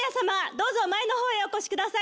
どうぞ前の方へお越しください